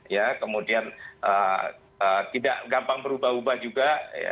ya kemudian tidak gampang berubah ubah juga